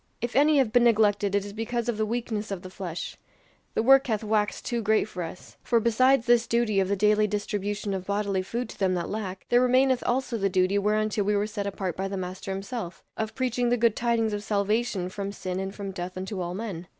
If any have been neglected it is because of the weakness of the flesh. The work hath waxed too great for us; for besides this duty of the daily distribution of bodily food to them that lack, there remaineth also the duty whereunto we were set apart by the Master himself of preaching the good tidings of salvation from sin and from death unto all men.